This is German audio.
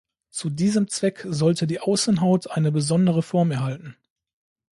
Zu diesem Zweck sollte die Außenhaut eine besondere Form erhalten.